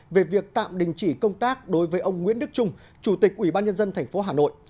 về việc tạm đình chỉ công tác đối với ông nguyễn đức trung chủ tịch ủy ban nhân dân tp hà nội